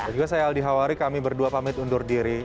dan juga saya aldi hawari kami berdua pamit undur diri